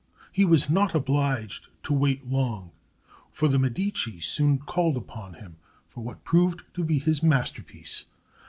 He was not obliged to wait long; for the Medici soon called upon him for what proved to be his masterpiece.